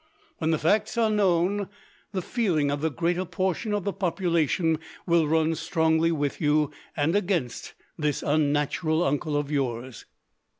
When the facts are known, the feeling of the greater portion of the population will run strongly with you, and against this unnatural uncle of yours."